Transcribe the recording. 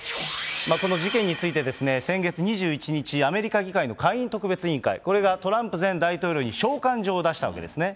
この事件についてですね、先月２１日、アメリカ議会の下院特別委員会、これがトランプ前大統領に召喚状を出したわけなんですね。